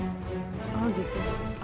tapi permisi ya sus